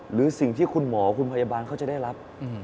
หรือสิ่งที่คุณหมอคุณพยาบาลเขาจะได้รับ